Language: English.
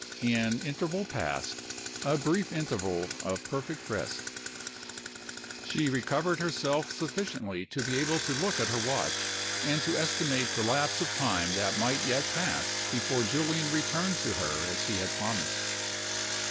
An interval passed; a brief interval of perfect rest. She recovered herself sufficiently to be able to look at her watch and to estimate the lapse of time that might yet pass before Julian returned to her as he had promised.